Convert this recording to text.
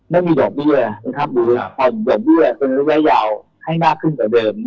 ไม่มีดอกเบี้ยเป็นระยะยาวให้มากขึ้นกว่าเดิม